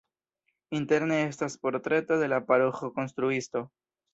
Interne estas portreto de la paroĥo-konstruisto.